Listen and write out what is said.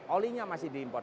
olinya masih diimport